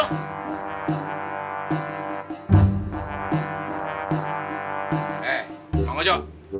eh bang ojo